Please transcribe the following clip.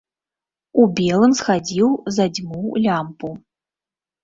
У белым схадзіў задзьмуў лямпу.